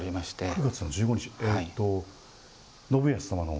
９月の１５日、えっと、信康様の。